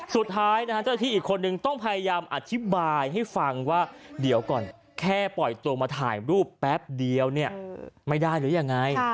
สุดท้ายนะฮะเจ้าที่อีกคนนึงต้องพยายามอธิบายให้ฟังว่าเดี๋ยวก่อนแค่ปล่อยตัวมาถ่ายรูปแป๊บเดียวเนี่ยไม่ได้หรือยังไง